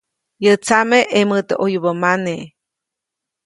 Yäʼ tsame ʼemoʼte ʼoyubä mane.